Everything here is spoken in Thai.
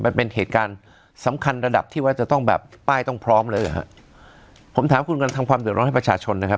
มันเป็นเหตุการณ์สำคัญระดับที่ว่าจะต้องแบบป้ายต้องพร้อมเลยหรือฮะผมถามคุณกำลังทำความเดือดร้อนให้ประชาชนนะครับ